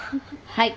はい。